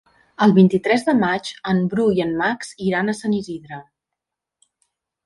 El vint-i-tres de maig en Bru i en Max iran a Sant Isidre.